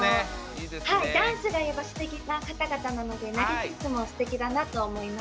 ダンスがすてきな方々なので投げＫＩＳＳがすてきだなと思います。